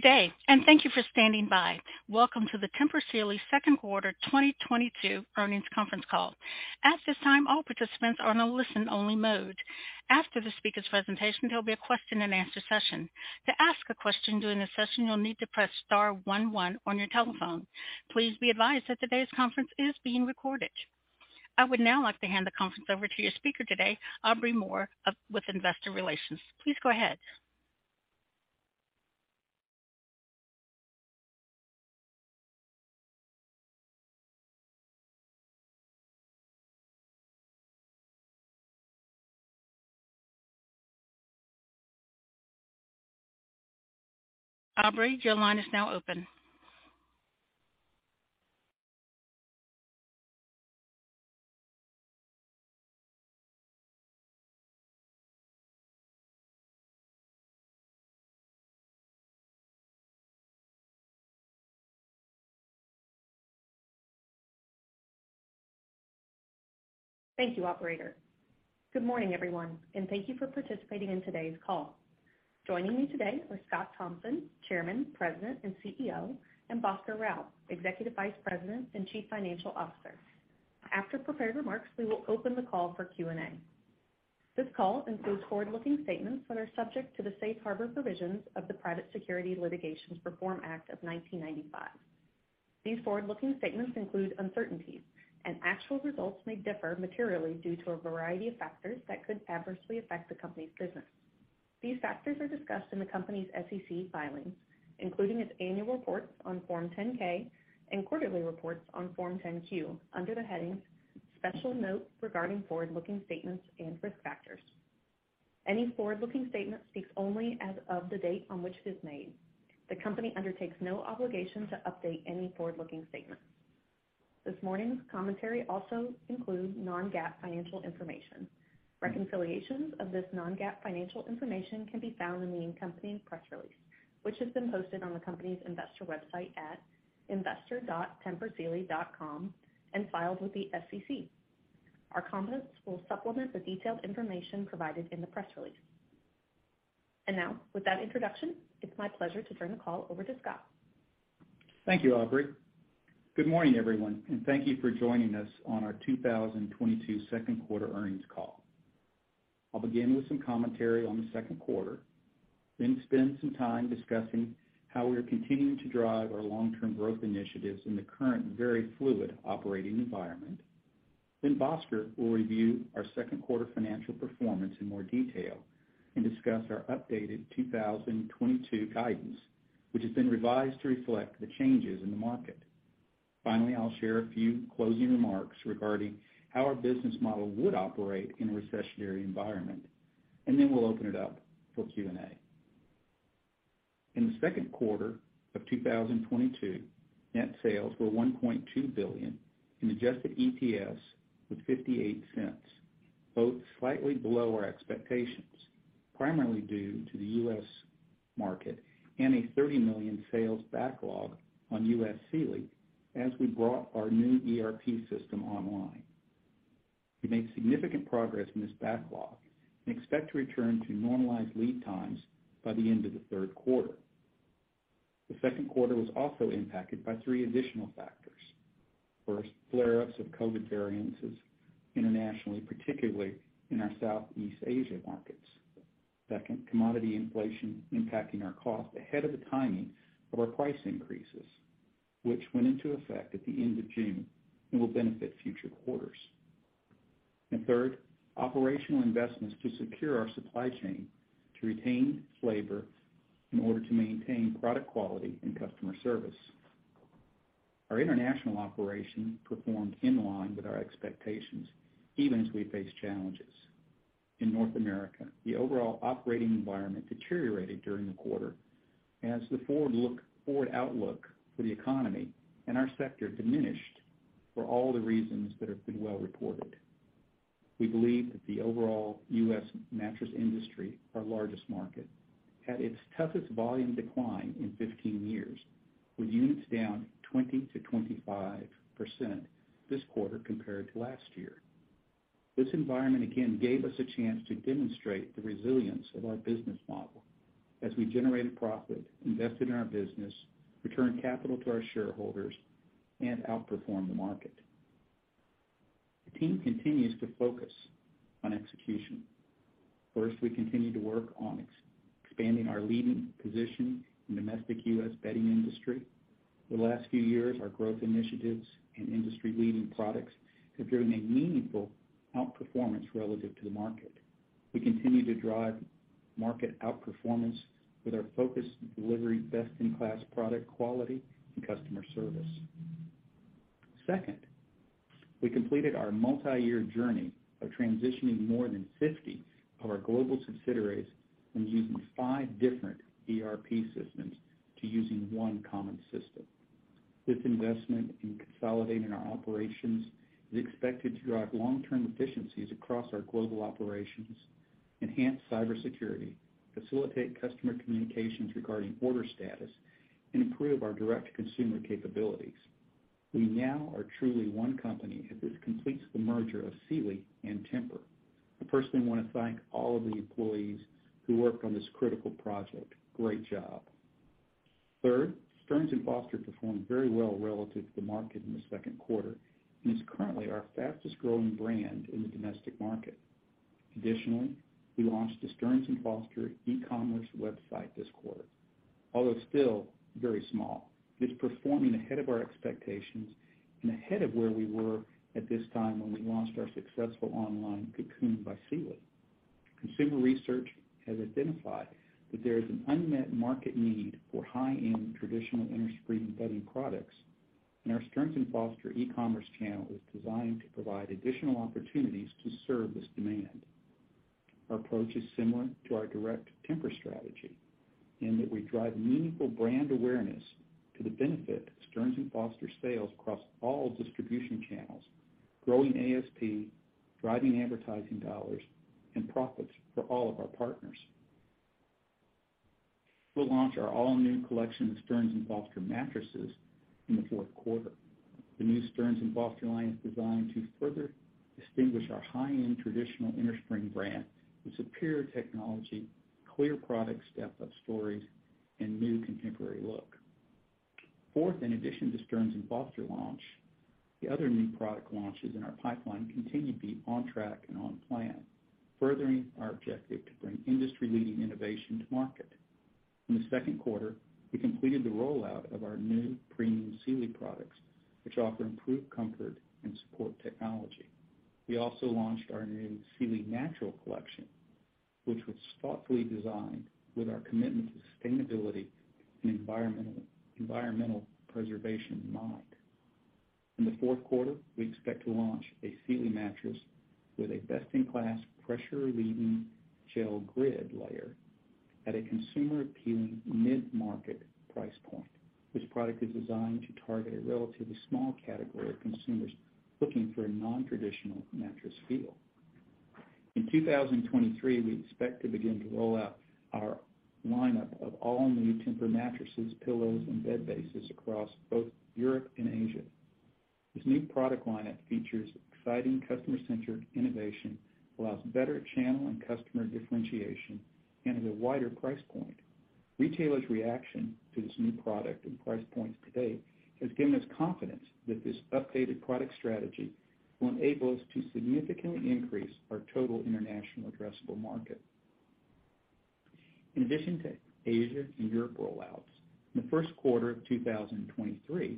Good day, and thank you for standing by. Welcome to the Tempur Sealy second quarter 2022 earnings conference call. At this time, all participants are on a listen only mode. After the speaker's presentation, there'll be a question and answer session. To ask a question during the session, you'll need to press star one one on your telephone. Please be advised that today's conference is being recorded. I would now like to hand the conference over to your speaker today, Aubrey Moore with investor relations. Please go ahead. Aubrey, your line is now open. Thank you, operator. Good morning, everyone, and thank you for participating in today's call. Joining me today are Scott Thompson, Chairman, President, and CEO, and Bhaskar Rao, Executive Vice President and Chief Financial Officer. After prepared remarks, we will open the call for Q&A. This call includes forward-looking statements that are subject to the safe harbor provisions of the Private Securities Litigation Reform Act of 1995. These forward-looking statements include uncertainties, and actual results may differ materially due to a variety of factors that could adversely affect the company's business. These factors are discussed in the company's SEC filings, including its annual reports on Form 10-K and quarterly reports on Form 10-Q under the headings "Special Note Regarding Forward-Looking Statements" and "Risk Factors." Any forward-looking statement speaks only as of the date on which it is made. The company undertakes no obligation to update any forward-looking statement. This morning's commentary also includes non-GAAP financial information. Reconciliations of this non-GAAP financial information can be found in the company's press release, which has been posted on the company's investor website at investor.tempursealy.com and filed with the SEC. Our comments will supplement the detailed information provided in the press release. Now, with that introduction, it's my pleasure to turn the call over to Scott. Thank you, Aubrey. Good morning, everyone, and thank you for joining us on our 2022 second quarter earnings call. I'll begin with some commentary on the second quarter, then spend some time discussing how we are continuing to drive our long-term growth initiatives in the current very fluid operating environment. Bhaskar will review our second quarter financial performance in more detail and discuss our updated 2022 guidance, which has been revised to reflect the changes in the market. Finally, I'll share a few closing remarks regarding how our business model would operate in a recessionary environment, and then we'll open it up for Q&A. In the second quarter of 2022, net sales were $1.2 billion, and adjusted EPS was $0.58, both slightly below our expectations, primarily due to the U.S. market and a $30 million sales backlog on U.S. Sealy as we brought our new ERP system online. We made significant progress in this backlog and expect to return to normalized lead times by the end of the third quarter. The second quarter was also impacted by three additional factors. First, flare-ups of COVID variants internationally, particularly in our Southeast Asia markets. Second, commodity inflation impacting our cost ahead of the timing of our price increases, which went into effect at the end of June and will benefit future quarters. Third, operational investments to secure our supply chain to retain labor in order to maintain product quality and customer service. Our international operation performed in line with our expectations, even as we face challenges. In North America, the overall operating environment deteriorated during the quarter as the forward outlook for the economy and our sector diminished for all the reasons that have been well reported. We believe that the overall U.S. mattress industry, our largest market, had its toughest volume decline in 15 years, with units down 20%-25% this quarter compared to last year. This environment again gave us a chance to demonstrate the resilience of our business model as we generated profit, invested in our business, returned capital to our shareholders, and outperformed the market. The team continues to focus on execution. First, we continue to work on expanding our leading position in domestic U.S. bedding industry. The last few years, our growth initiatives and industry-leading products have driven a meaningful outperformance relative to the market. We continue to drive market outperformance with our focus on delivering best-in-class product quality and customer service. Second, we completed our multi-year journey of transitioning more than 50 of our global subsidiaries from using five different ERP systems to using one common system. This investment in consolidating our operations is expected to drive long-term efficiencies across our global operations, enhance cybersecurity, facilitate customer communications regarding order status, and improve our direct-to-consumer capabilities. We now are truly one company as this completes the merger of Sealy and Tempur. I personally want to thank all of the employees who worked on this critical project. Great job. Third, Stearns & Foster performed very well relative to the market in the second quarter and is currently our fastest-growing brand in the domestic market. Additionally, we launched the Stearns & Foster e-commerce website this quarter. Although still very small, it's performing ahead of our expectations and ahead of where we were at this time when we launched our successful online Cocoon by Sealy. Consumer research has identified that there is an unmet market need for high-end traditional innerspring bedding products, and our Stearns & Foster e-commerce channel is designed to provide additional opportunities to serve this demand. Our approach is similar to our direct Tempur strategy in that we drive meaningful brand awareness to the benefit of Stearns & Foster sales across all distribution channels, growing ASP, driving advertising dollars and profits for all of our partners. We'll launch our all-new collection of Stearns & Foster mattresses in the fourth quarter. The new Stearns & Foster line is designed to further distinguish our high-end traditional innerspring brand with superior technology, clear product step-up stories, and new contemporary look. Fourth, in addition to Stearns & Foster launch, the other new product launches in our pipeline continue to be on track and on plan, furthering our objective to bring industry-leading innovation to market. In the second quarter, we completed the rollout of our new premium Sealy products, which offer improved comfort and support technology. We also launched our new Sealy Naturals, which was thoughtfully designed with our commitment to sustainability and environmental preservation in mind. In the fourth quarter, we expect to launch a Sealy mattress with a best-in-class pressure-relieving gel grid layer at a consumer-appealing mid-market price point. This product is designed to target a relatively small category of consumers looking for a non-traditional mattress feel. In 2023, we expect to begin to roll out our lineup of all-new Tempur mattresses, pillows, and bed bases across both Europe and Asia. This new product lineup features exciting customer-centered innovation, allows better channel and customer differentiation, and at a wider price point. Retailers' reaction to this new product and price points to date has given us confidence that this updated product strategy will enable us to significantly increase our total international addressable market. In addition to Asia and Europe rollouts, in the first quarter of 2023,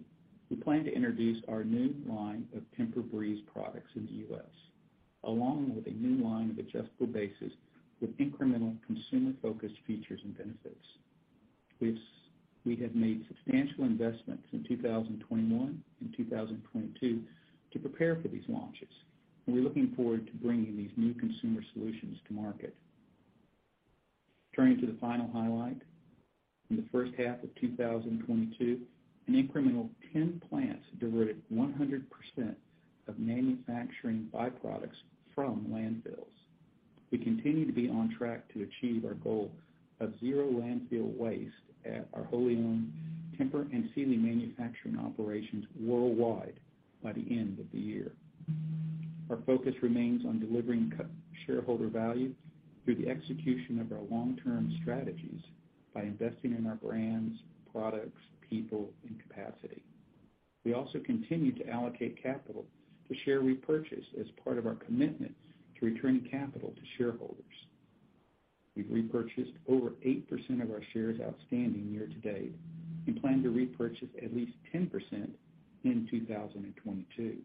we plan to introduce our new line of Tempur-Breeze products in the U.S., along with a new line of adjustable bases with incremental consumer-focused features and benefits. We have made substantial investments in 2021 and 2022 to prepare for these launches, and we're looking forward to bringing these new consumer solutions to market. Turning to the final highlight, in the first half of 2022, an incremental 10 plants diverted 100% of manufacturing byproducts from landfills. We continue to be on track to achieve our goal of zero landfill waste at our wholly owned Tempur and Sealy manufacturing operations worldwide by the end of the year. Our focus remains on delivering shareholder value through the execution of our long-term strategies by investing in our brands, products, people, and capacity. We also continue to allocate capital to share repurchase as part of our commitment to returning capital to shareholders. We've repurchased over 8% of our shares outstanding year to date and plan to repurchase at least 10% in 2022.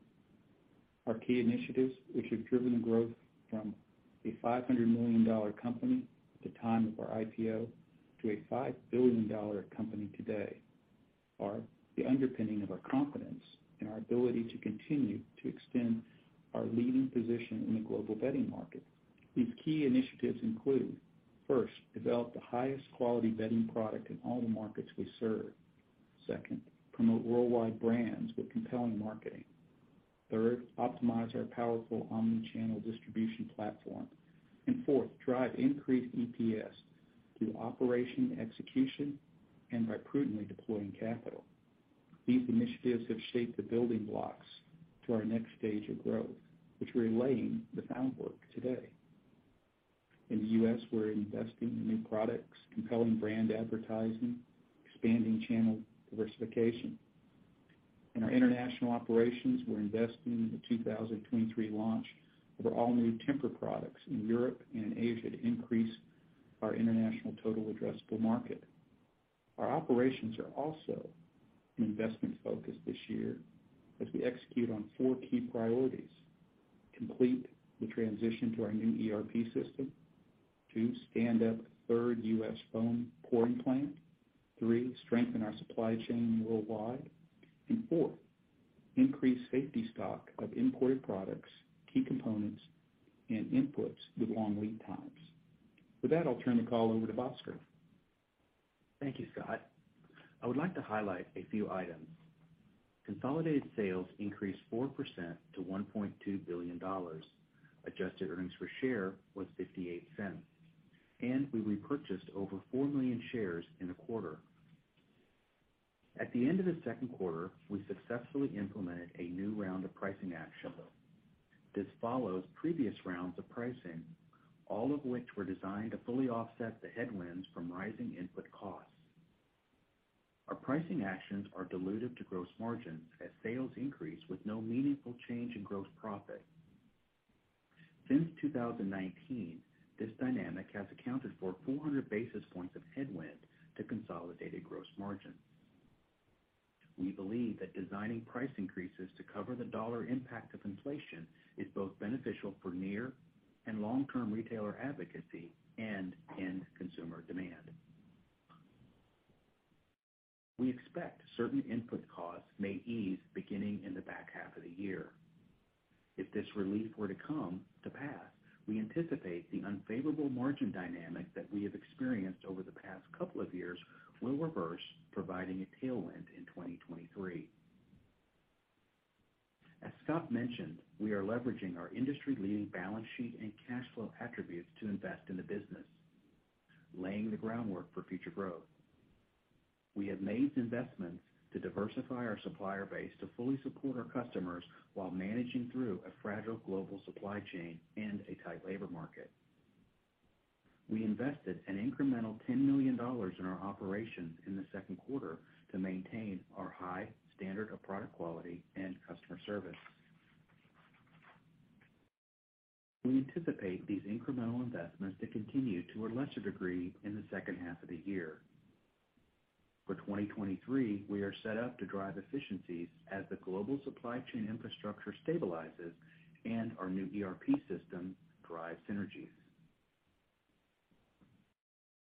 Our key initiatives, which have driven the growth from a $500 million company at the time of our IPO to a $5 billion company today, are the underpinning of our confidence in our ability to continue to extend our leading position in the global bedding market. These key initiatives include, first, develop the highest quality bedding product in all the markets we serve. Second, promote worldwide brands with compelling marketing. Third, optimize our powerful omni-channel distribution platform. Fourth, drive increased EPS through operational execution and by prudently deploying capital. These initiatives have shaped the building blocks to our next stage of growth, which we're laying the groundwork today. In the U.S., we're investing in new products, compelling brand advertising, expanding channel diversification. In our international operations, we're investing in the 2023 launch of our all-new Tempur products in Europe and in Asia to increase our international total addressable market. Our operations are also an investment focus this year as we execute on four key priorities. Complete the transition to our new ERP system. Two, stand up third U.S. foam pouring plant. Three, strengthen our supply chain worldwide. Four, increase safety stock of imported products, key components, and inputs with long lead times. With that, I'll turn the call over to Bhaskar. Thank you, Scott. I would like to highlight a few items. Consolidated sales increased 4% to $1.2 billion. Adjusted earnings per share was $0.58, and we repurchased over 4 million shares in the quarter. At the end of the second quarter, we successfully implemented a new round of pricing action. This follows previous rounds of pricing, all of which were designed to fully offset the headwinds from rising input costs. Our pricing actions are dilutive to gross margins as sales increase with no meaningful change in gross profit. Since 2019, this dynamic has accounted for 400 basis points of headwind to consolidated gross margin. We believe that designing price increases to cover the dollar impact of inflation is both beneficial for near and long-term retailer advocacy and end consumer demand. We expect certain input costs may ease beginning in the back half of the year. If this relief were to come to pass, we anticipate the unfavorable margin dynamic that we have experienced over the past couple of years will reverse, providing a tailwind in 2023. As Scott mentioned, we are leveraging our industry-leading balance sheet and cash flow attributes to invest in the business, laying the groundwork for future growth. We have made investments to diversify our supplier base to fully support our customers while managing through a fragile global supply chain and a tight labor market. We invested an incremental $10 million in our operations in the second quarter to maintain our high standard of product quality and customer service. We anticipate these incremental investments to continue to a lesser degree in the second half of the year. For 2023, we are set up to drive efficiencies as the global supply chain infrastructure stabilizes and our new ERP system drives synergies.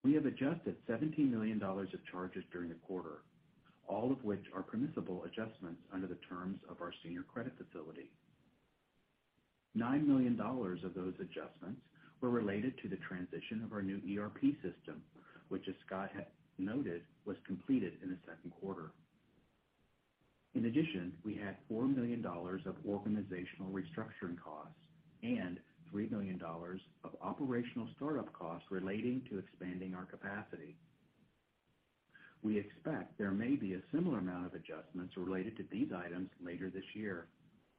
We have adjusted $17 million of charges during the quarter, all of which are permissible adjustments under the terms of our senior credit facility. $9 million of those adjustments were related to the transition of our new ERP system, which, as Scott had noted, was completed in the second quarter. In addition, we had $4 million of organizational restructuring costs and $3 million of operational startup costs relating to expanding our capacity. We expect there may be a similar amount of adjustments related to these items later this year,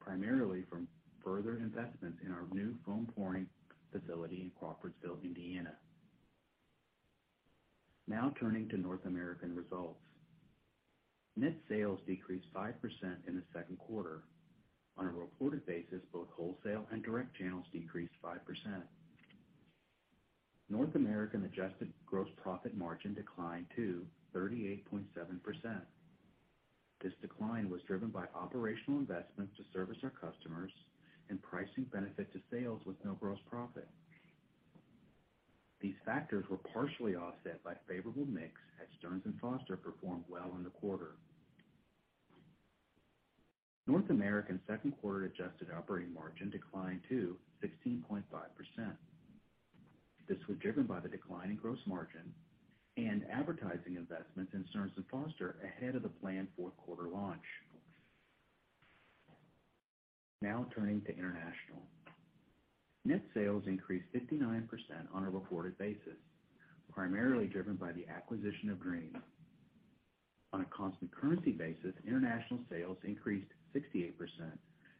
primarily from further investments in our new foam pouring facility in Crawfordsville, Indiana. Now turning to North American results. Net sales decreased 5% in the second quarter. On a reported basis, both wholesale and direct channels decreased 5%. North American adjusted gross profit margin declined to 38.7%. This decline was driven by operational investments to service our customers and pricing benefit to sales with no gross profit. These factors were partially offset by favorable mix as Stearns & Foster performed well in the quarter. North American second-quarter adjusted operating margin declined to 16.5%. This was driven by the decline in gross margin and advertising investments in Stearns & Foster ahead of the planned fourth quarter launch. Now turning to international. Net sales increased 59% on a reported basis, primarily driven by the acquisition of Dreams. On a constant currency basis, international sales increased 68%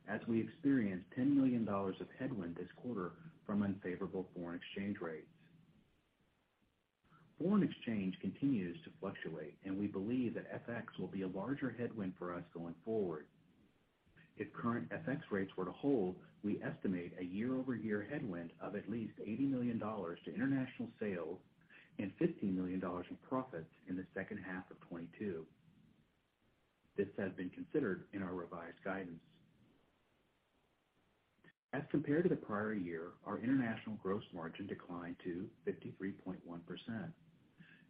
as we experienced $10 million of headwind this quarter from unfavorable foreign exchange rates. Foreign exchange continues to fluctuate, and we believe that FX will be a larger headwind for us going forward. If current FX rates were to hold, we estimate a year-over-year headwind of at least $80 million to international sales and $15 million in profits in the second half of 2022. This has been considered in our revised guidance. As compared to the prior year, our international gross margin declined to 53.1%.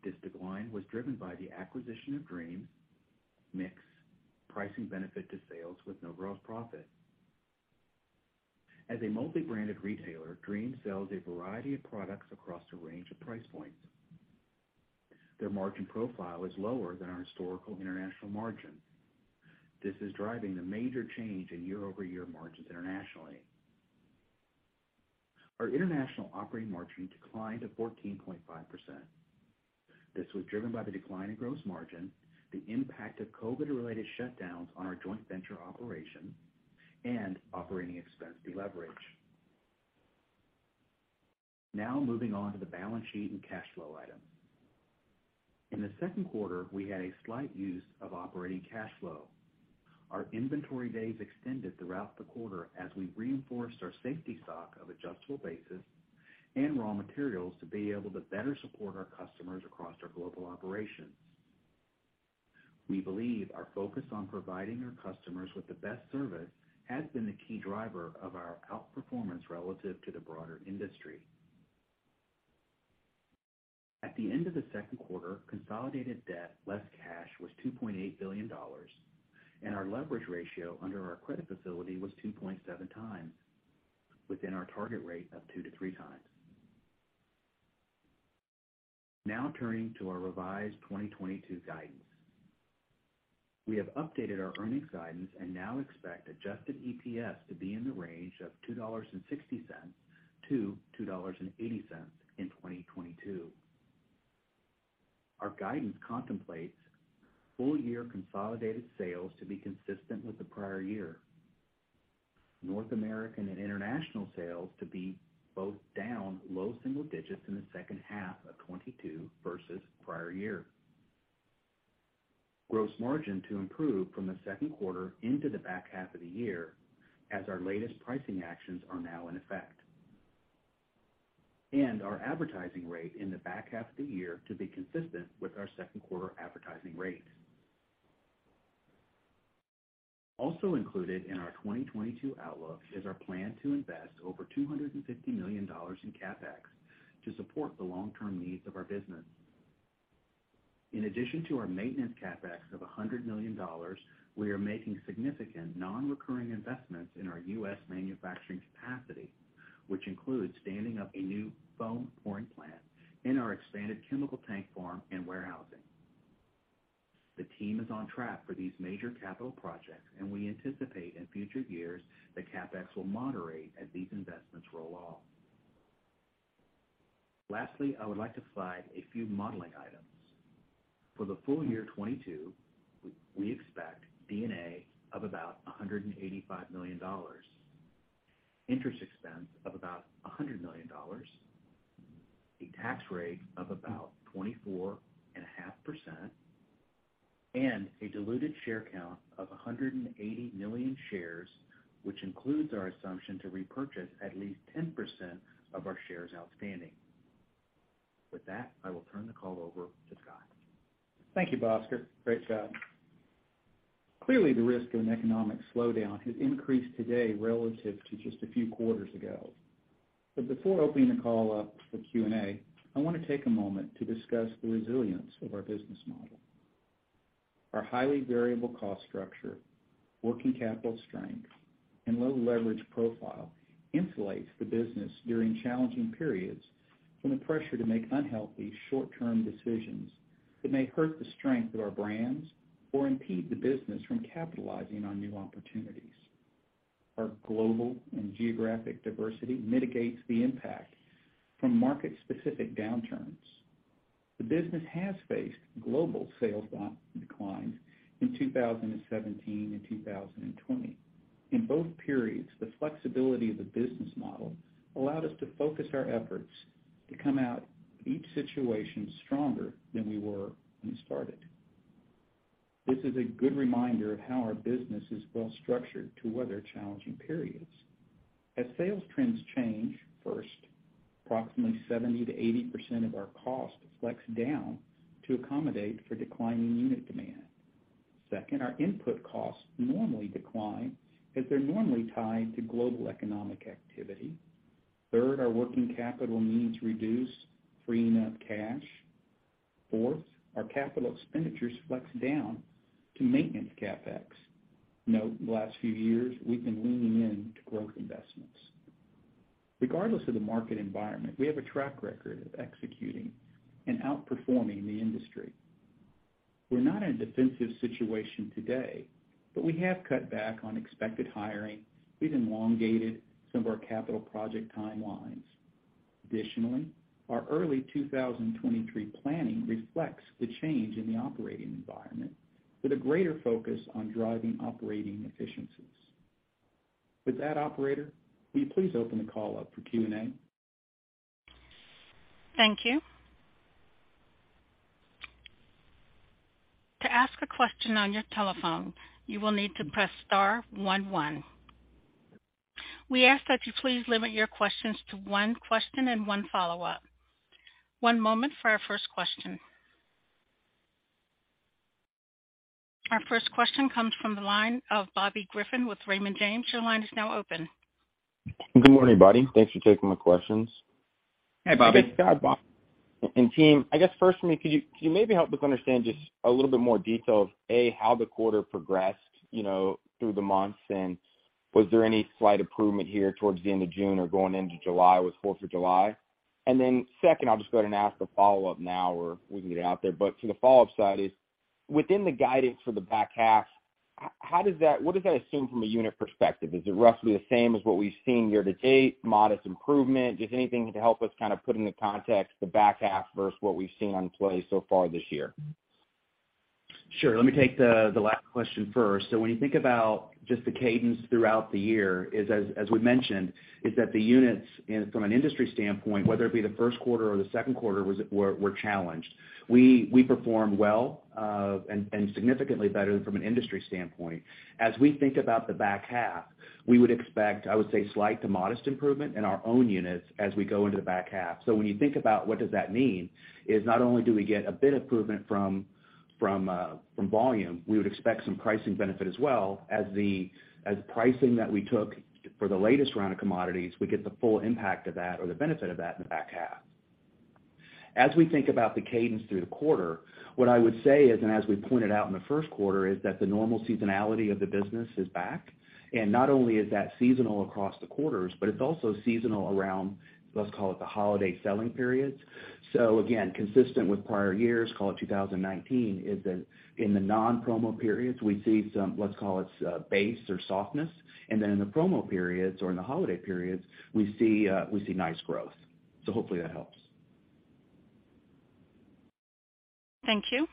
This decline was driven by the acquisition of Dreams, mix, pricing benefit to sales with no gross profit. As a multi-branded retailer, Dreams sells a variety of products across a range of price points. Their margin profile is lower than our historical international margin. This is driving the major change in year-over-year margins internationally. Our international operating margin declined to 14.5%. This was driven by the decline in gross margin, the impact of COVID-related shutdowns on our joint venture operation, and operating expense deleverage. Now moving on to the balance sheet and cash flow item. In the second quarter, we had a slight use of operating cash flow. Our inventory days extended throughout the quarter as we reinforced our safety stock of adjustable bases and raw materials to be able to better support our customers across our global operations. We believe our focus on providing our customers with the best service has been the key driver of our outperformance relative to the broader industry. At the end of the second quarter, consolidated debt, less cash, was $2.8 billion, and our leverage ratio under our credit facility was 2.7x within our target rate of 2-3x. Now turning to our revised 2022 guidance. We have updated our earnings guidance and now expect adjusted EPS to be in the range of $2.60-$2.80 in 2022. Our guidance contemplates full year consolidated sales to be consistent with the prior year. North American and international sales to be both down low single digits in the second half of 2022 versus prior year. Gross margin to improve from the second quarter into the back half of the year as our latest pricing actions are now in effect. Our advertising rate in the back half of the year to be consistent with our second quarter advertising rates. Also included in our 2022 outlook is our plan to invest over $250 million in CapEx to support the long-term needs of our business. In addition to our maintenance CapEx of $100 million, we are making significant non-recurring investments in our U.S. manufacturing capacity, which includes standing up a new foam pouring plant in our expanded chemical tank farm and warehousing. The team is on track for these major capital projects, and we anticipate in future years that CapEx will moderate as these investments roll off. Lastly, I would like to flag a few modeling items. For the full year 2022, we expect D&A of about $185 million, interest expense of about $100 million, a tax rate of about 24.5%, and a diluted share count of 180 million shares, which includes our assumption to repurchase at least 10% of our shares outstanding. With that, I will turn the call over to Scott. Thank you, Bhaskar. Great job. Clearly, the risk of an economic slowdown has increased today relative to just a few quarters ago. Before opening the call up for Q&A, I wanna take a moment to discuss the resilience of our business model. Our highly variable cost structure, working capital strength, and low leverage profile insulates the business during challenging periods from the pressure to make unhealthy short-term decisions that may hurt the strength of our brands or impede the business from capitalizing on new opportunities. Our global and geographic diversity mitigates the impact from market-specific downturns. The business has faced global sales volume declines in 2017 and 2020. In both periods, the flexibility of the business model allowed us to focus our efforts to come out each situation stronger than we were when we started. This is a good reminder of how our business is well-structured to weather challenging periods. As sales trends change, first, approximately 70%-80% of our cost flex down to accommodate for declining unit demand. Second, our input costs normally decline as they're normally tied to global economic activity. Third, our working capital needs reduce, freeing up cash. Fourth, our capital expenditures flex down to maintenance CapEx. Note in the last few years we've been leaning in to growth investments. Regardless of the market environment, we have a track record of executing and outperforming the industry. We're not in a defensive situation today, but we have cut back on expected hiring. We've elongated some of our capital project timelines. Additionally, our early 2023 planning reflects the change in the operating environment with a greater focus on driving operating efficiencies. With that, operator, will you please open the call up for Q&A? Thank you. To ask a question on your telephone, you will need to press star one one. We ask that you please limit your questions to one question and one follow-up. One moment for our first question. Our first question comes from the line of Bobby Griffin with Raymond James. Your line is now open. Good morning, everybody. Thanks for taking my questions. Hey, Bobby. Hey, Scott, Bob, and team. I guess first for me, could you maybe help us understand just a little bit more detail of, A, how the quarter progressed, you know, through the months, and was there any slight improvement here towards the end of June or going into July with Fourth of July? Second, I'll just go ahead and ask the follow-up now, or we can get it out there, but to the follow-up side is, within the guidance for the back half, what does that assume from a unit perspective? Is it roughly the same as what we've seen year to date, modest improvement? Just anything to help us kind of put into context the back half versus what we've seen in play so far this year. Sure. Let me take the last question first. When you think about just the cadence throughout the year is as we mentioned, is that the units from an industry standpoint, whether it be the first quarter or the second quarter, were challenged. We performed well and significantly better than from an industry standpoint. As we think about the back half, we would expect, I would say, slight to modest improvement in our own units as we go into the back half. When you think about what does that mean, is not only do we get a bit improvement from volume, we would expect some pricing benefit as well as pricing that we took for the latest round of commodities, we get the full impact of that or the benefit of that in the back half. As we think about the cadence through the quarter, what I would say is, and as we pointed out in the first quarter, is that the normal seasonality of the business is back. Not only is that seasonal across the quarters, but it's also seasonal around, let's call it, the holiday selling periods. Again, consistent with prior years, call it 2019, is that in the non-promo periods, we see some, let's call it, base or softness. Then in the promo periods or in the holiday periods, we see nice growth. Hopefully that helps. Thank you.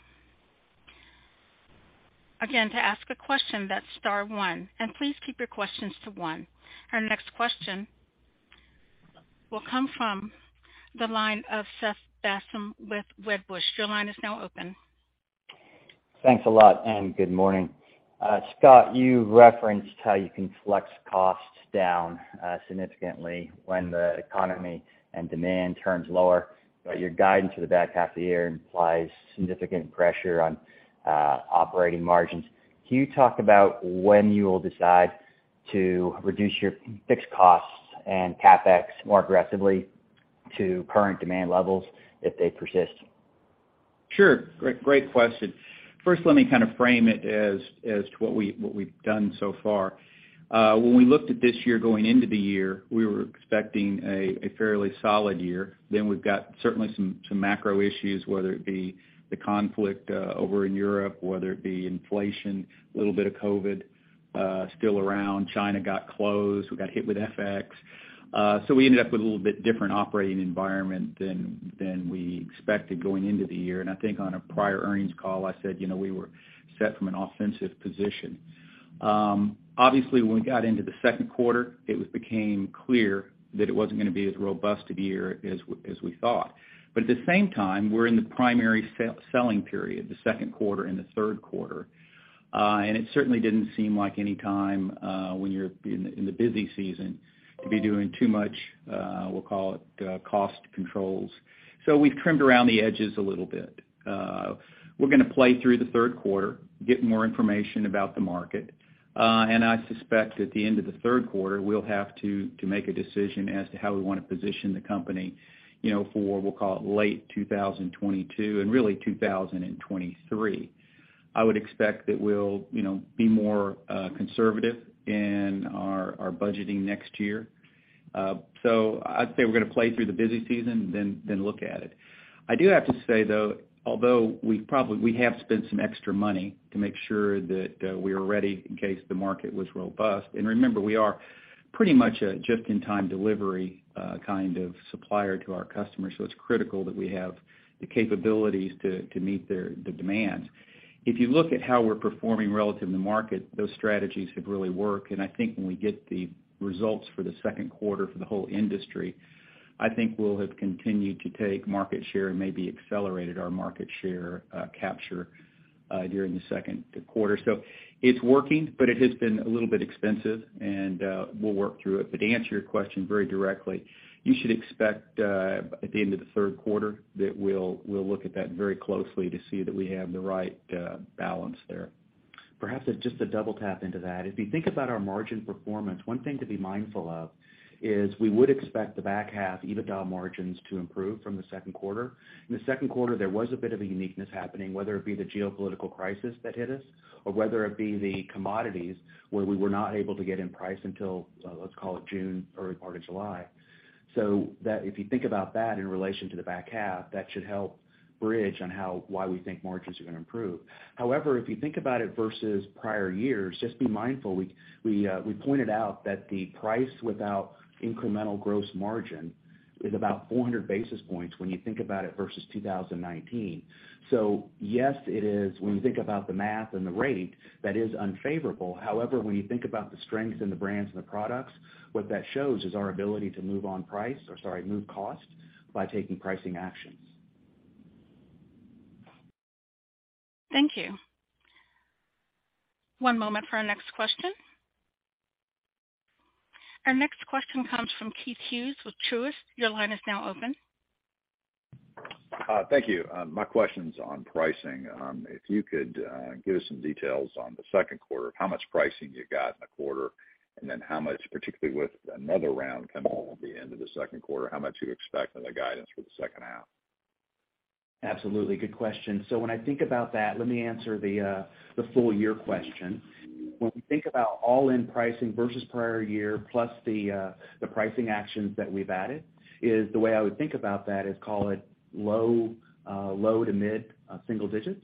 Again, to ask a question, that's star one, and please keep your questions to one. Our next question will come from the line of Seth Basham with Wedbush. Your line is now open. Thanks a lot, and good morning. Scott, you referenced how you can flex costs down, significantly when the economy and demand turns lower, but your guidance for the back half of the year implies significant pressure on operating margins. Can you talk about when you will decide to reduce your fixed costs and CapEx more aggressively to current demand levels if they persist? Sure. Great question. First, let me kind of frame it as to what we've done so far. When we looked at this year going into the year, we were expecting a fairly solid year. We've got certainly some macro issues, whether it be the conflict over in Europe, whether it be inflation, a little bit of COVID still around. China got closed. We got hit with FX. We ended up with a little bit different operating environment than we expected going into the year. I think on a prior earnings call, I said, you know, we were set from an offensive position. Obviously, when we got into the second quarter, it became clear that it wasn't gonna be as robust a year as we thought. At the same time, we're in the primary selling period, the second quarter and the third quarter. It certainly didn't seem like any time when you're in the busy season to be doing too much, we'll call it, cost controls. We've trimmed around the edges a little bit. We're gonna play through the third quarter, get more information about the market. I suspect at the end of the third quarter, we'll have to make a decision as to how we wanna position the company, you know, for, we'll call it, late 2022 and really 2023. I would expect that we'll, you know, be more conservative in our budgeting next year. I'd say we're gonna play through the busy season, then look at it. I do have to say, though, we have spent some extra money to make sure that we are ready in case the market was robust. Remember, we are pretty much a just-in-time delivery kind of supplier to our customers, so it's critical that we have the capabilities to meet their demands. If you look at how we're performing relative to the market, those strategies have really worked. I think when we get the results for the second quarter for the whole industry, I think we'll have continued to take market share and maybe accelerated our market share capture during the second quarter. It's working, but it has been a little bit expensive and we'll work through it. To answer your question very directly, you should expect, at the end of the third quarter that we'll look at that very closely to see that we have the right balance there. Perhaps just a double tap into that. If you think about our margin performance, one thing to be mindful of is we would expect the back half EBITDA margins to improve from the second quarter. In the second quarter, there was a bit of a uniqueness happening, whether it be the geopolitical crisis that hit us or whether it be the commodities where we were not able to get in price until, let's call it June, early part of July. That if you think about that in relation to the back half, that should help bridge on how, why we think margins are gonna improve. However, if you think about it versus prior years, just be mindful, we pointed out that the price without incremental gross margin is about 400 basis points when you think about it versus 2019. Yes, it is, when you think about the math and the rate, that is unfavorable. However, when you think about the strengths and the brands and the products, what that shows is our ability to move cost by taking pricing actions. Thank you. One moment for our next question. Our next question comes from Keith Hughes with Truist. Your line is now open. Thank you. My question's on pricing. If you could give us some details on the second quarter, how much pricing you got in the quarter, and then how much, particularly with another round coming at the end of the second quarter, how much you expect in the guidance for the second half? Absolutely. Good question. When I think about that, let me answer the full year question. When we think about all-in pricing versus prior year, plus the pricing actions that we've added, is the way I would think about that is call it low- to mid-single digits.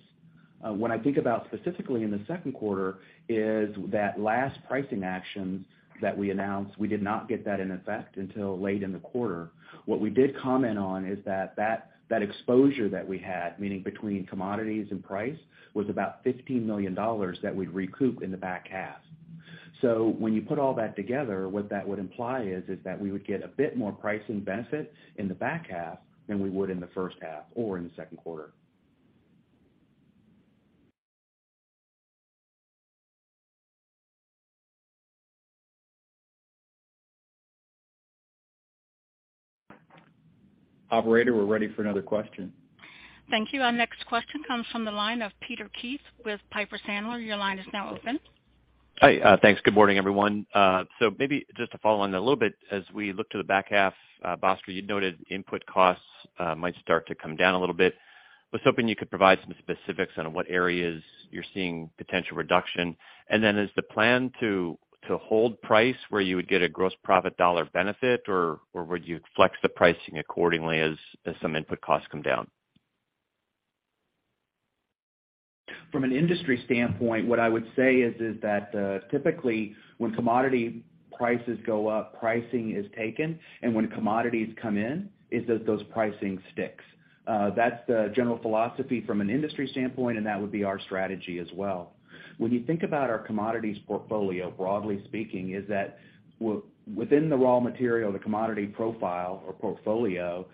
When I think about specifically in the second quarter is that last pricing actions that we announced, we did not get that in effect until late in the quarter. What we did comment on is that exposure that we had, meaning between commodities and price, was about $15 million that we'd recoup in the back half. When you put all that together, what that would imply is that we would get a bit more pricing benefit in the back half than we would in the first half or in the second quarter. Operator, we're ready for another question. Thank you. Our next question comes from the line of Peter Keith with Piper Sandler. Your line is now open. Hi. Thanks. Good morning, everyone. Maybe just to follow on that a little bit, as we look to the back half, Bhaskar, you noted input costs might start to come down a little bit. I was hoping you could provide some specifics on what areas you're seeing potential reduction. Then is the plan to hold price where you would get a gross profit dollar benefit, or would you flex the pricing accordingly as some input costs come down? From an industry standpoint, what I would say is that typically when commodity prices go up, pricing is taken, and when commodities come in, those pricings stick. That's the general philosophy from an industry standpoint, and that would be our strategy as well. When you think about our commodities portfolio, broadly speaking, within the raw material, the commodity profile or portfolio,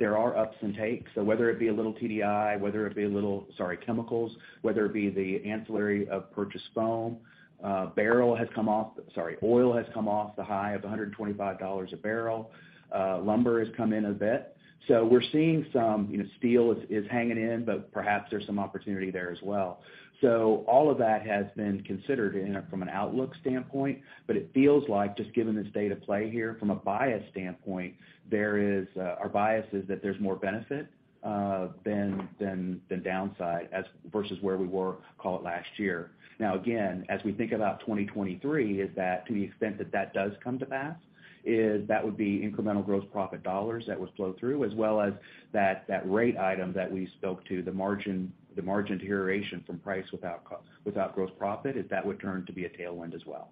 there are ups and takes. Whether it be a little TDI, whether it be chemicals, whether it be the ancillary of purchase foam, oil has come off the high of $125 a barrel. Lumber has come in a bit. We're seeing some steel is hanging in, but perhaps there's some opportunity there as well. All of that has been considered from an outlook standpoint, but it feels like just given this day to play here from a bias standpoint, our bias is that there's more benefit than downside as versus where we were, call it last year. Now again, as we think about 2023, to the extent that that does come to pass, that would be incremental gross profit dollars that would flow through, as well as that rate item that we spoke to, the margin deterioration from price without gross profit, that would turn to be a tailwind as well.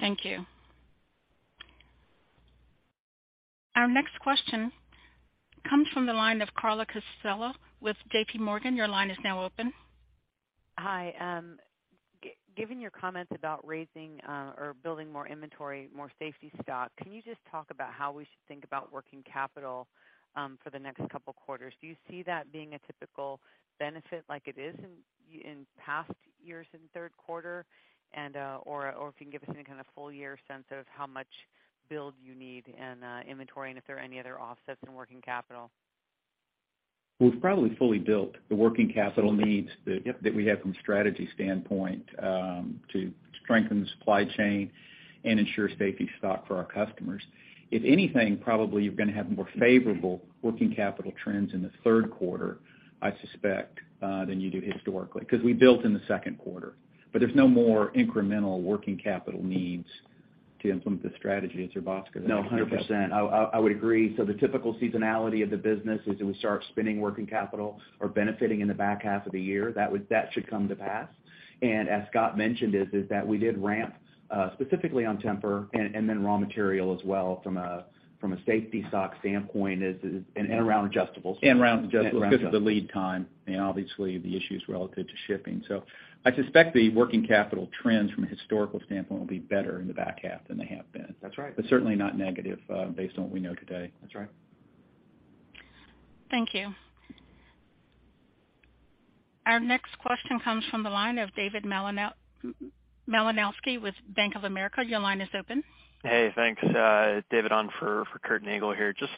Thank you. Our next question comes from the line of Carla Casella with JPMorgan. Your line is now open. Hi. Given your comments about raising or building more inventory, more safety stock, can you just talk about how we should think about working capital for the next couple quarters? Do you see that being a typical benefit like it is in past years in third quarter? Or if you can give us any kind of full year sense of how much build you need and inventory, and if there are any other offsets in working capital. We've probably fully built the working capital needs that- Yep -that we have from strategy standpoint, to strengthen the supply chain and ensure safety stock for our customers. If anything, probably you're gonna have more favorable working capital trends in the third quarter, I suspect, than you do historically because we built in the second quarter. There's no more incremental working capital needs to implement the strategy. It's a plus because No, 100%. I would agree. The typical seasonality of the business is that we start spinning working capital or benefiting in the back half of the year. That should come to pass. As Scott mentioned, that we did ramp specifically on Tempur and then raw material as well from a safety stock standpoint and around adjustables. And around adjust- Around adjustables. -because of the lead time, and obviously the issues relative to shipping. I suspect the working capital trends from a historical standpoint will be better in the back half than they have been. That's right. Certainly not negative, based on what we know today. That's right. Thank you. Our next question comes from the line of David Malinowski with Bank of America. Your line is open. Hey, thanks. David on for Curt Nagle here. Just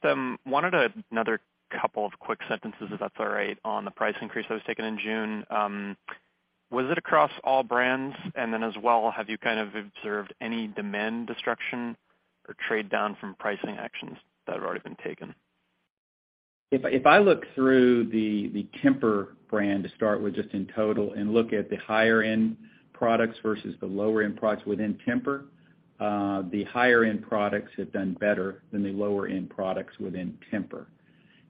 wanted another couple of quick questions, if that's all right, on the price increase that was taken in June. Was it across all brands? As well, have you kind of observed any demand destruction or trade down from pricing actions that have already been taken? If I look through the Tempur brand to start with just in total and look at the higher end products versus the lower end products within Tempur, the higher end products have done better than the lower end products within Tempur.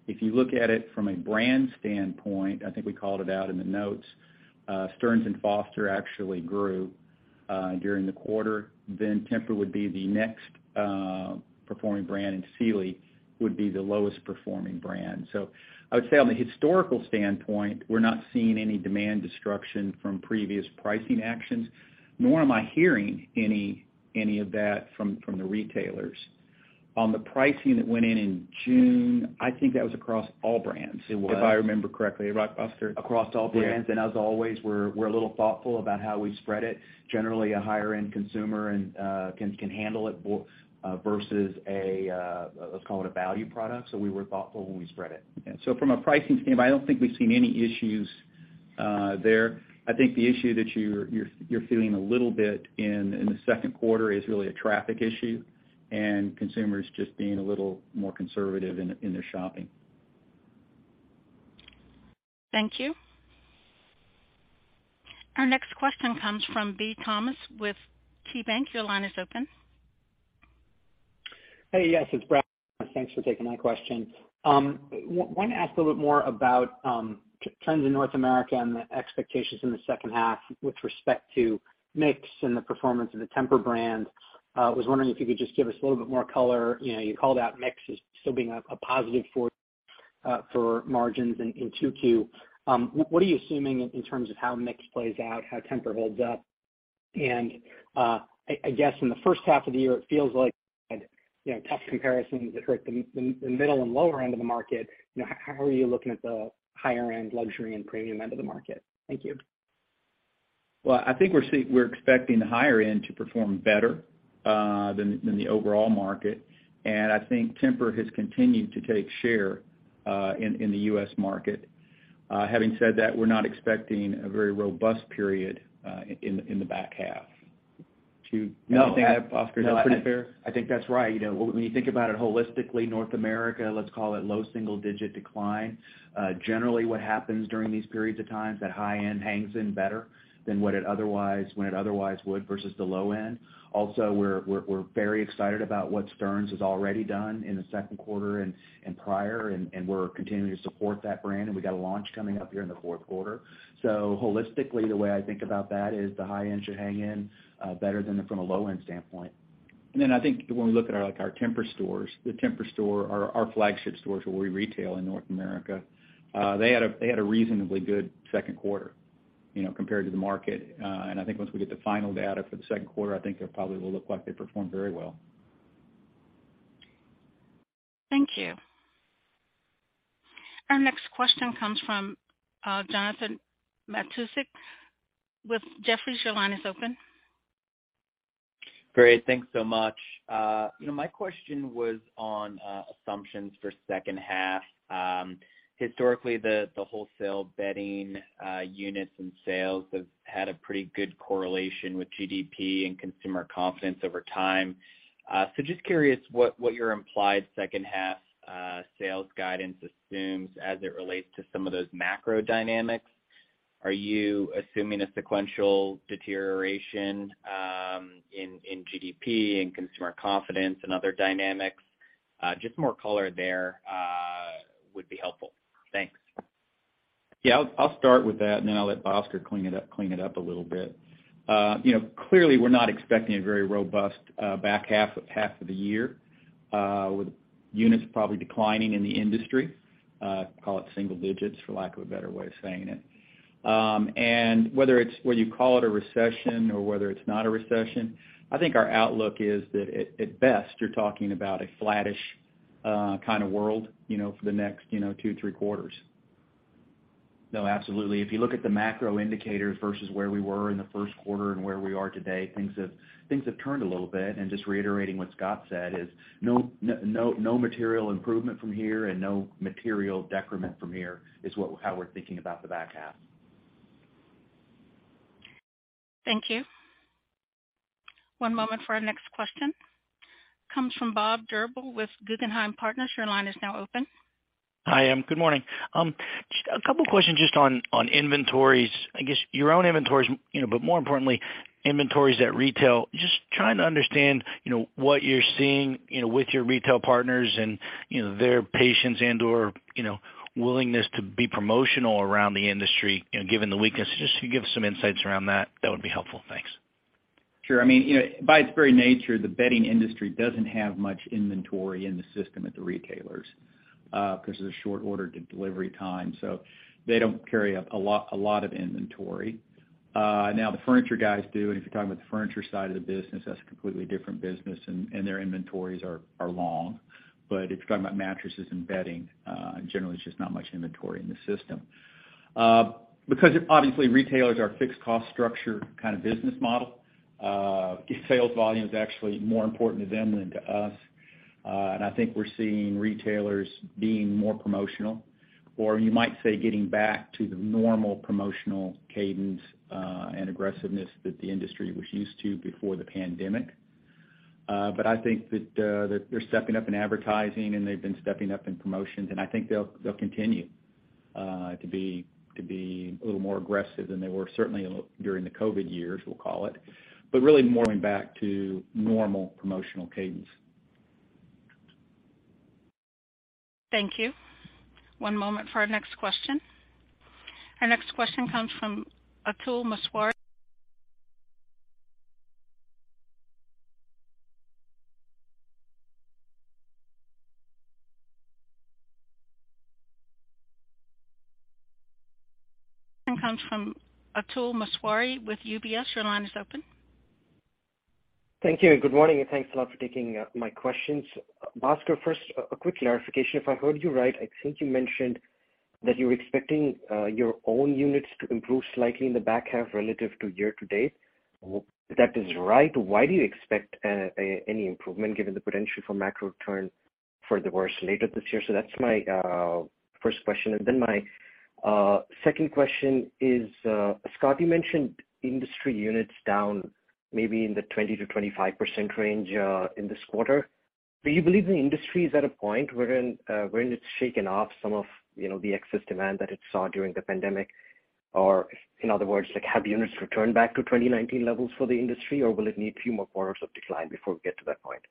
If you look at it from a brand standpoint, I think we called it out in the notes, Stearns & Foster actually grew during the quarter, then Tempur would be the next performing brand, and Sealy would be the lowest performing brand. I would say on the historical standpoint, we're not seeing any demand destruction from previous pricing actions, nor am I hearing any of that from the retailers. On the pricing that went in in June, I think that was across all brands. It was. If I remember correctly. Right, Bhaskar? Across all brands. Yeah. As always, we're a little thoughtful about how we spread it. Generally, a higher end consumer and can handle it versus a, let's call it a value product. We were thoughtful when we spread it. Yeah. From a pricing standpoint, I don't think we've seen any issues there. I think the issue that you're feeling a little bit in the second quarter is really a traffic issue and consumers just being a little more conservative in their shopping. Thank you. Our next question comes from Brad Thomas with KeyBanc. Your line is open. Hey, yes, it's Brad Thomas. Thanks for taking my question. Wanna ask a little bit more about trends in North America and the expectations in the second half with respect to mix and the performance of the Tempur brand. Was wondering if you could just give us a little bit more color. You know, you called out mix as still being a positive for margins in 2Q. What are you assuming in terms of how mix plays out, how Tempur holds up? I guess in the first half of the year, it feels like, you know, tough comparisons that hurt the middle and lower end of the market. You know, how are you looking at the higher end luxury and premium end of the market? Thank you. Well, I think we're expecting the higher end to perform better than the overall market, and I think Tempur has continued to take share in the U.S. market. Having said that, we're not expecting a very robust period in the back half. No, I think, Oscar, I think that's right. You know, when you think about it holistically, North America, let's call it low single-digit decline. Generally, what happens during these periods of time, that high end hangs in better than what it otherwise would versus the low end. Also, we're very excited about what Stearns has already done in the second quarter and prior, and we're continuing to support that brand, and we got a launch coming up here in the fourth quarter. Holistically, the way I think about that is the high end should hang in better than from a low end standpoint. Then I think when we look at our, like, our Tempur stores, the Tempur store are our flagship stores where we retail in North America. They had a reasonably good second quarter, you know, compared to the market. I think once we get the final data for the second quarter, I think it probably will look like they performed very well. Thank you. Our next question comes from Jonathan Matuszewski with Jefferies. Your line is open. Great. Thanks so much. You know, my question was on assumptions for second half. Historically, the wholesale bedding units and sales have had a pretty good correlation with GDP and consumer confidence over time. Just curious what your implied second half sales guidance assumes as it relates to some of those macro dynamics. Are you assuming a sequential deterioration in GDP and consumer confidence and other dynamics? Just more color there would be helpful. Thanks. Yeah. I'll start with that, and then I'll let Bhaskar clean it up a little bit. You know, clearly, we're not expecting a very robust back half of the year with units probably declining in the industry, call it single digits, for lack of a better way of saying it. Whether you call it a recession or whether it's not a recession, I think our outlook is that at best, you're talking about a flattish kind of world, you know, for the next, you know, 2, 3 quarters. No, absolutely. If you look at the macro indicators versus where we were in the first quarter and where we are today, things have turned a little bit. Just reiterating what Scott said is no material improvement from here and no material decrement from here is what, how we're thinking about the back half. Thank you. One moment for our next question. Comes from Bob Drbul with Guggenheim Partners. Your line is now open. Hi, good morning. A couple questions just on inventories. I guess your own inventories, you know, but more importantly, inventories at retail. Just trying to understand, you know, what you're seeing, you know, with your retail partners and, you know, their patience and/or, you know, willingness to be promotional around the industry, you know, given the weakness. Just if you could give some insights around that would be helpful. Thanks. Sure. I mean, you know, by its very nature, the bedding industry doesn't have much inventory in the system at the retailers, 'cause of the short order to delivery time. So they don't carry a lot of inventory. Now, the furniture guys do, and if you're talking about the furniture side of the business, that's a completely different business and their inventories are long. If you're talking about mattresses and bedding, generally it's just not much inventory in the system. Because obviously retailers are fixed cost structure kind of business model, sales volume is actually more important to them than to us. I think we're seeing retailers being more promotional or you might say, getting back to the normal promotional cadence, and aggressiveness that the industry was used to before the pandemic. I think that they're stepping up in advertising and they've been stepping up in promotions, and I think they'll continue to be a little more aggressive than they were during the COVID years, we'll call it. Really more going back to normal promotional cadence. Thank you. One moment for our next question. Our next question comes from Atul Maheswari with UBS. Your line is open. Thank you, and good morning, and thanks a lot for taking my questions. Bhaskar, first, a quick clarification. If I heard you right, I think you mentioned that you're expecting your own units to improve slightly in the back half relative to year to date. If that is right, why do you expect any improvement given the potential for macro turn for the worse later this year? That's my first question. My second question is, Scott, you mentioned industry units down maybe in the 20%-25% range in this quarter. Do you believe the industry is at a point wherein it's shaken off some of, you know, the excess demand that it saw during the pandemic? In other words, like have the units returned back to 2019 levels for the industry, or will it need a few more quarters of decline before we get to that point?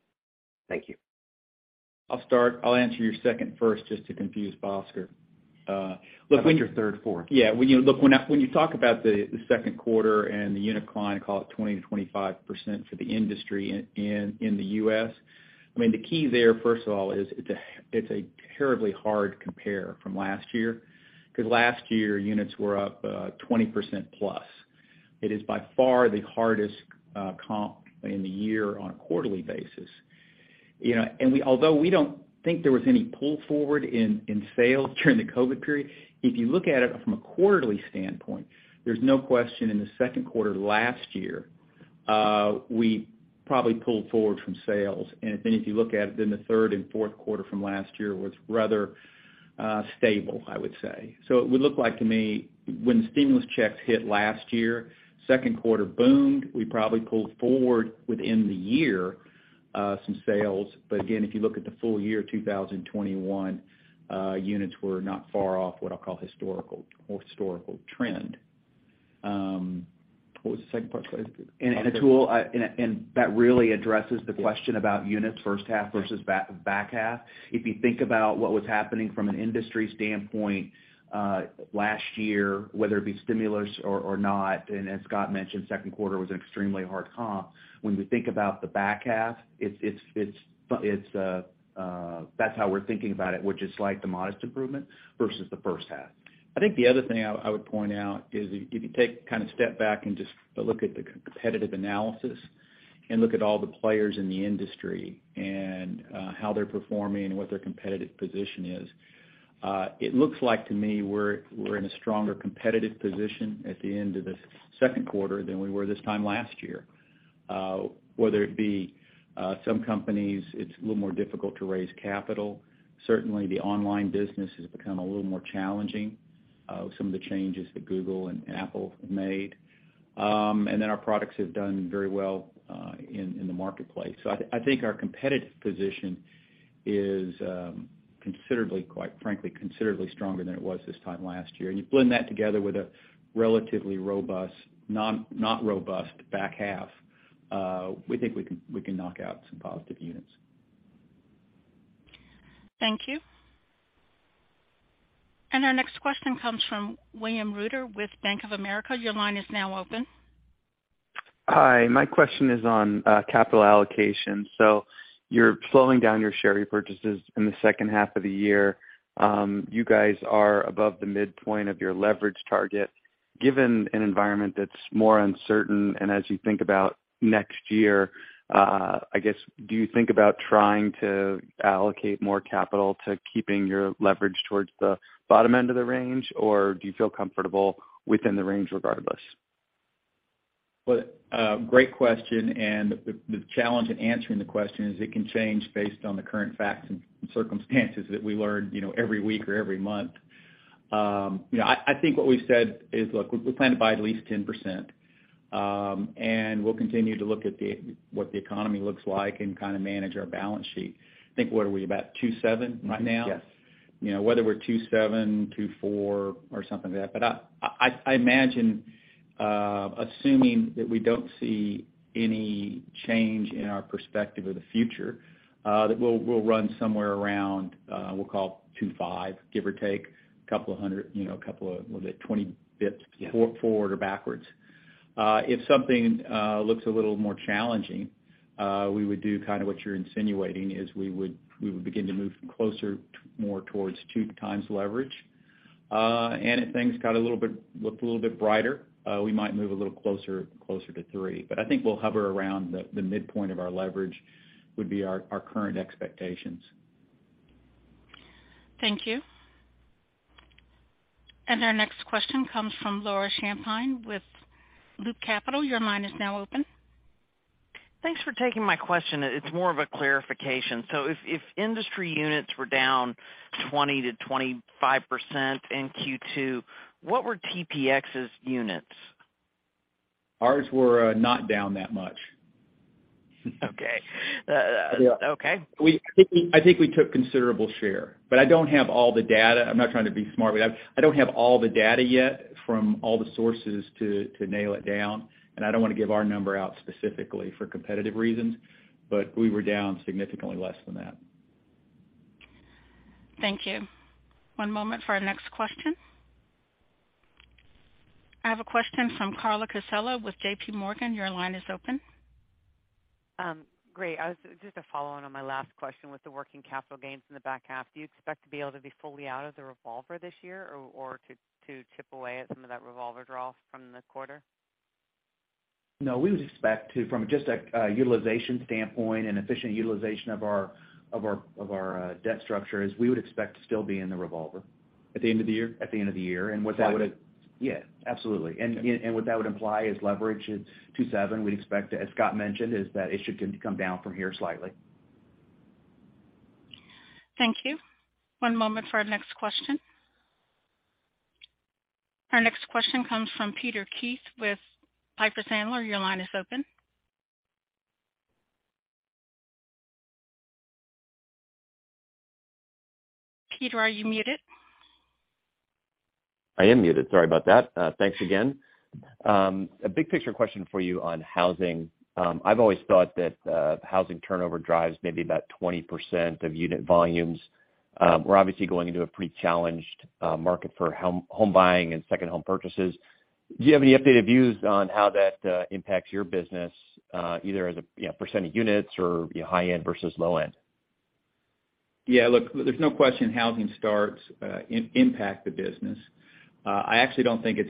Thank you. I'll start. I'll answer your second first, just to confuse Bhaskar. Look, when- I thought you were third, fourth. Yeah. When you look, when you talk about the second quarter and the unit decline, call it 20%-25% for the industry in the U.S., I mean, the key there, first of all, is it's a terribly hard compare from last year, 'cause last year, units were up 20% plus. It is by far the hardest comp in the year on a quarterly basis. You know, although we don't think there was any pull forward in sales during the COVID period, if you look at it from a quarterly standpoint, there's no question in the second quarter last year, we Probably pulled forward from sales. If you look at it in the third and fourth quarter from last year was rather stable, I would say. It would look like to me when the stimulus checks hit last year, second quarter boomed. We probably pulled forward within the year, some sales. If you look at the full year, 2021, units were not far off what I'll call historical trend. What was the second part? Sorry. Atul, that really addresses the question about units first half versus back half. If you think about what was happening from an industry standpoint, last year, whether it be stimulus or not, and as Scott mentioned, second quarter was an extremely hard comp. When we think about the back half, that's how we're thinking about it, which is like the modest improvement versus the first half. I think the other thing I would point out is if you take kind of step back and just look at the competitive analysis and look at all the players in the industry and how they're performing and what their competitive position is, it looks like to me we're in a stronger competitive position at the end of the second quarter than we were this time last year. Whether it be some companies, it's a little more difficult to raise capital. Certainly, the online business has become a little more challenging with some of the changes that Google and Apple have made. Our products have done very well in the marketplace. I think our competitive position is considerably, quite frankly, considerably stronger than it was this time last year. You blend that together with a relatively not robust back half. We think we can knock out some positive units. Thank you. Our next question comes from William Reuter with Bank of America. Your line is now open. Hi, my question is on capital allocation. You're slowing down your share repurchases in the second half of the year. You guys are above the midpoint of your leverage target. Given an environment that's more uncertain and as you think about next year, I guess, do you think about trying to allocate more capital to keeping your leverage towards the bottom end of the range, or do you feel comfortable within the range regardless? Well, great question, and the challenge in answering the question is it can change based on the current facts and circumstances that we learn, you know, every week or every month. You know, I think what we said is, look, we plan to buy at least 10%, and we'll continue to look at what the economy looks like and kinda manage our balance sheet. I think, what are we, about 27% right now? Mm-hmm. Yes. You know, whether we're 27%, 24% or something like that. I imagine, assuming that we don't see any change in our perspective of the future, that we'll run somewhere around, we'll call 25%, give or take a couple of hundred, you know, a couple of, what is it, 20 basis points. Yes Forward or backwards. If something looks a little more challenging, we would do kind of what you're insinuating is we would begin to move closer to more towards 2x leverage. If things looked a little bit brighter, we might move a little closer to 3. I think we'll hover around the midpoint of our leverage, which would be our current expectations. Thank you. Our next question comes from Laura Champine with Loop Capital. Your line is now open. Thanks for taking my question. It's more of a clarification. If industry units were down 20%-25% in Q2, what were TPX's units? Ours were not down that much. Okay. I think we took considerable share. I don't have all the data. I'm not trying to be smart, I don't have all the data yet from all the sources to nail it down, I don't wanna give our number out specifically for competitive reasons. We were down significantly less than that. Thank you. One moment for our next question. I have a question from Carla Casella with JPMorgan. Your line is open. Great. I was just a follow-on on my last question with the working capital gains in the back half. Do you expect to be able to be fully out of the revolver this year or to chip away at some of that revolver draw from this quarter? No, we would expect to, from just a utilization standpoint and efficient utilization of our debt structure, is we would expect to still be in the revolver. At the end of the year? At the end of the year. Probably. Yeah, absolutely. Okay. What that would imply is leverage at 2.7. We'd expect, as Scott mentioned, is that it should come down from here slightly. Thank you. One moment for our next question. Our next question comes from Peter Keith with Piper Sandler. Your line is open. Peter, are you muted? I am muted. Sorry about that. Thanks again. A big picture question for you on housing. I've always thought that housing turnover drives maybe about 20% of unit volumes. We're obviously going into a pretty challenged market for home buying and second home purchases. Do you have any updated views on how that impacts your business, either as a, you know, percent of units or, you know, high end versus low end? Yeah. Look, there's no question housing starts impact the business. I actually don't think it's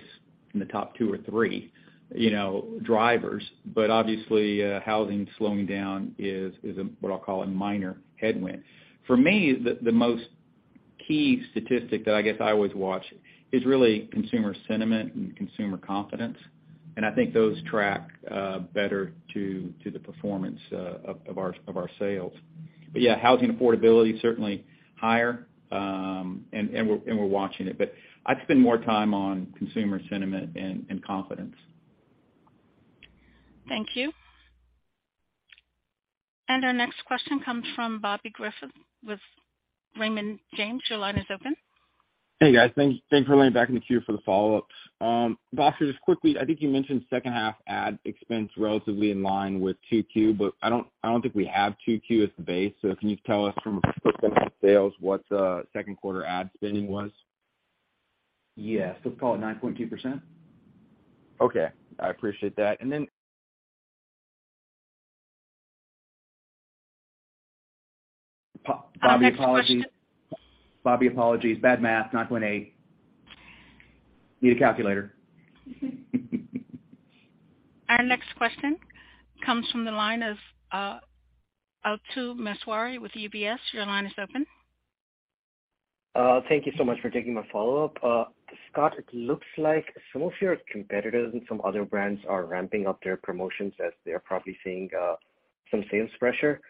in the top two or three, you know, drivers, but obviously, housing slowing down is a what I'll call a minor headwind. For me, the most key statistic that I guess I always watch is really consumer sentiment and consumer confidence. I think those track better to the performance of our sales. Yeah, housing affordability certainly higher, and we're watching it, but I'd spend more time on consumer sentiment and confidence. Thank you. Our next question comes from Bobby Griffin with Raymond James. Your line is open. Hey, guys. Thank you for letting back in the queue for the follow-up. Bobby, just quickly, I think you mentioned second half ad expense relatively in line with 2Q, but I don't think we have 2Q as the base, so can you tell us from a perspective of sales what the second quarter ad spending was? Yes. Let's call it 9.2%. Okay. I appreciate that. Bobby, apologies. Bad math. 9.8. Need a calculator. Our next question comes from the line of Atul Maheswari with UBS. Your line is open. Thank you so much for taking my follow-up. Scott, it looks like some of your competitors and some other brands are ramping up their promotions as they're probably seeing some sales pressure.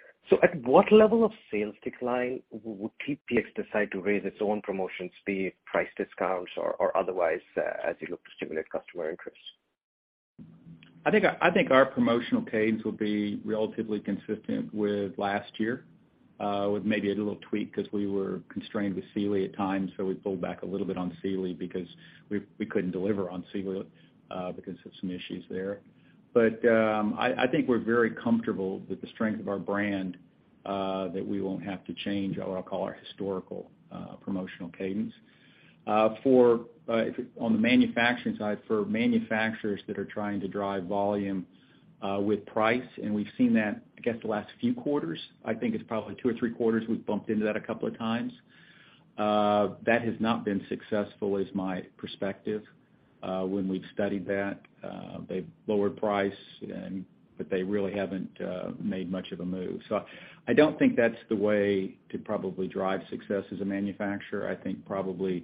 At what level of sales decline would TPX decide to raise its own promotions, be it price discounts or otherwise, as you look to stimulate customer interest? I think our promotional cadence will be relatively consistent with last year, with maybe a little tweak 'cause we were constrained with Sealy at times, so we pulled back a little bit on Sealy because we couldn't deliver on Sealy, because of some issues there. I think we're very comfortable with the strength of our brand, that we won't have to change what I'll call our historical promotional cadence. On the manufacturing side, for manufacturers that are trying to drive volume with price, and we've seen that, I guess, the last few quarters, I think it's probably two or three quarters we've bumped into that a couple of times. That has not been successful is my perspective, when we've studied that. They've lowered price, but they really haven't made much of a move. I don't think that's the way to probably drive success as a manufacturer. I think probably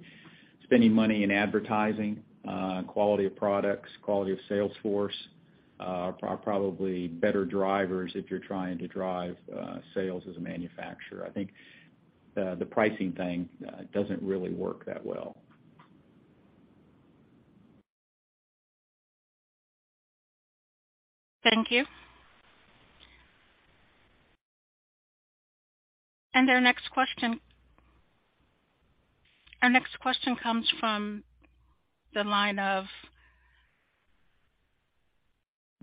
spending money in advertising, quality of products, quality of sales force are probably better drivers if you're trying to drive sales as a manufacturer. I think the pricing thing doesn't really work that well. Thank you. Our next question comes from the line of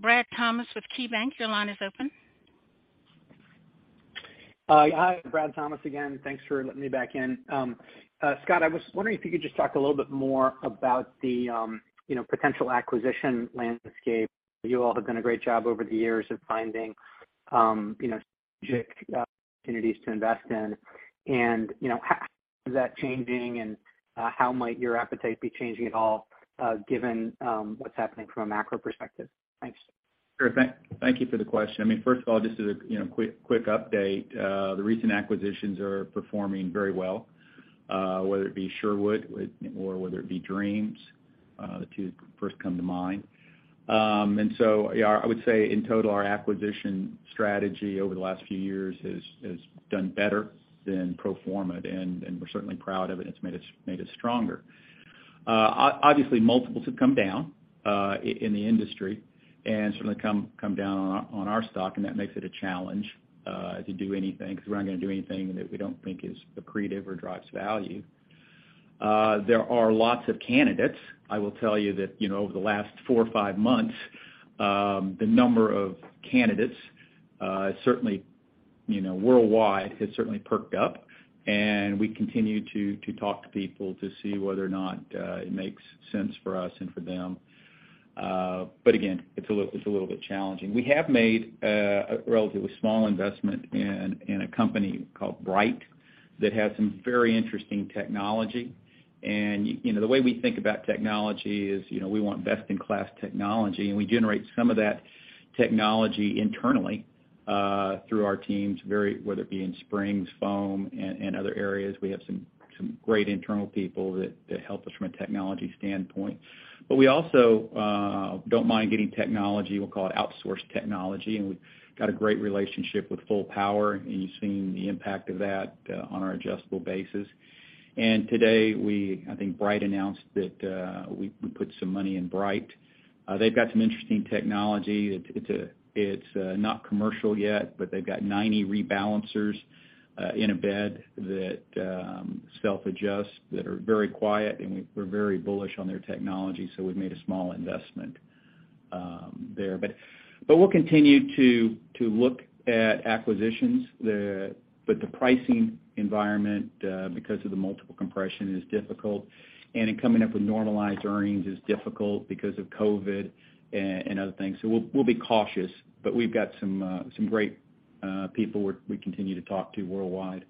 Brad Thomas with KeyBanc. Your line is open. Hi, Brad Thomas again. Thanks for letting me back in. Scott, I was wondering if you could just talk a little bit more about the, you know, potential acquisition landscape. You all have done a great job over the years of finding, you know, strategic opportunities to invest in. You know, how is that changing, and how might your appetite be changing at all, given what's happening from a macro perspective? Thanks. Sure. Thank you for the question. I mean, first of all, just as a, you know, quick update, the recent acquisitions are performing very well, whether it be Sherwood or whether it be Dreams, those two first come to mind. Yeah, I would say in total, our acquisition strategy over the last few years has done better than pro forma, and we're certainly proud of it. It's made us stronger. Obviously, multiples have come down in the industry and certainly come down on our stock, and that makes it a challenge to do anything 'cause we're not gonna do anything that we don't think is accretive or drives value. There are lots of candidates. I will tell you that, you know, over the last four or five months, the number of candidates, certainly, you know, worldwide, has certainly perked up, and we continue to talk to people to see whether or not it makes sense for us and for them. Again, it's a little bit challenging. We have made a relatively small investment in a company called Bryte that has some very interesting technology. You know, the way we think about technology is, you know, we want best in class technology, and we generate some of that technology internally through our teams, whether it be in springs, foam, and other areas. We have some great internal people that help us from a technology standpoint. We also don't mind getting technology, we'll call it outsourced technology, and we've got a great relationship with Fullpower, and you've seen the impact of that on our adjustable bases. Today I think Bryte announced that we put some money in Bryte. They've got some interesting technology. It's a not commercial yet, but they've got 90 rebalancers in a bed that self-adjust, that are very quiet, and we're very bullish on their technology, so we've made a small investment there. We'll continue to look at acquisitions but the pricing environment because of the multiple compression is difficult, and in coming up with normalized earnings is difficult because of COVID and other things. We'll be cautious, but we've got some great people we continue to talk to worldwide.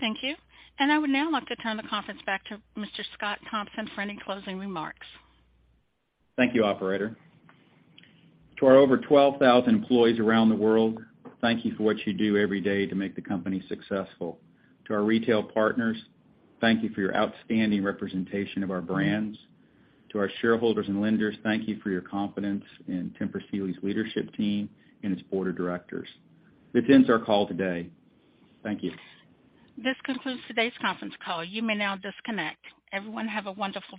Thank you. I would now like to turn the conference back to Mr. Scott Thompson for any closing remarks. Thank you, operator. To our over 12,000 employees around the world, thank you for what you do every day to make the company successful. To our retail partners, thank you for your outstanding representation of our brands. To our shareholders and lenders, thank you for your confidence in Tempur Sealy's leadership team and its board of directors. This ends our call today. Thank you. This concludes today's conference call. You may now disconnect. Everyone have a wonderful day.